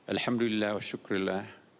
alhamdulillah wa syukurillah